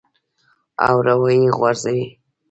او راویې غورځوې.